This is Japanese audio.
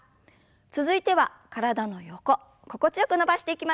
続いては体の横心地よく伸ばしていきましょう。